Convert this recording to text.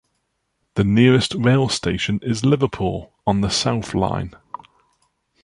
The nearest rail station is Liverpool, on the South Line.